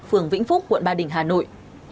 phường vĩnh phúc quận ba đình hà nội